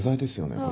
これ。